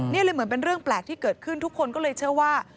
นี่เลยเหมือนเป็นเรื่องแปลกที่เกิดขึ้นทุกคนก็เลยเชื่อว่า